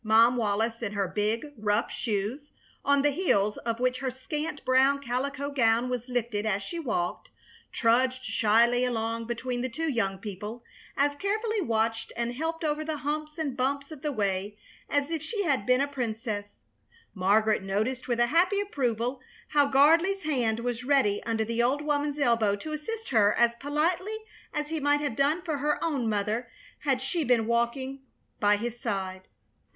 Mom Wallis, in her big, rough shoes, on the heels of which her scant brown calico gown was lifted as she walked, trudged shyly along between the two young people, as carefully watched and helped over the humps and bumps of the way as if she had been a princess. Margaret noticed with a happy approval how Gardley's hand was ready under the old woman's elbow to assist her as politely as he might have done for her own mother had she been walking by his side.